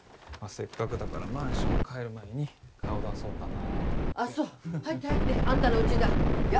せっかくだからマンション帰る前に顔出そうかなと思ってあっそう入って入ってアンタのウチだいや